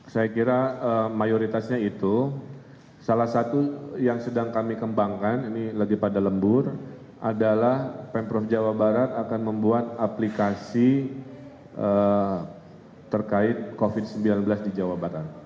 saya kira mayoritasnya itu salah satu yang sedang kami kembangkan ini lagi pada lembur adalah pemprov jawa barat akan membuat aplikasi terkait covid sembilan belas di jawa barat